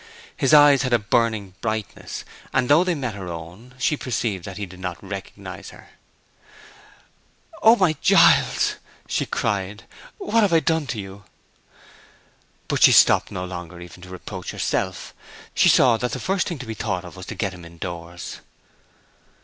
His eyes had a burning brightness, and though they met her own, she perceived that he did not recognize her. "Oh, my Giles," she cried, "what have I done to you!" But she stopped no longer even to reproach herself. She saw that the first thing to be thought of was to get him indoors.